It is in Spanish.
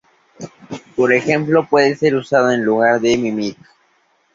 Por ejemplo, puede ser usado en lugar de Mimic.